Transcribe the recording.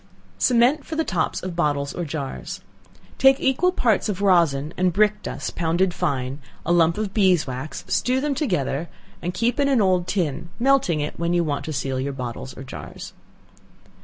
Cement for the Tops of Bottles or Jars. Take equal parts of rosin and brick dust pounded fine; a lump of beeswax; stew them together, and keep in an old tin, melting it when you want to seal your bottles or jars.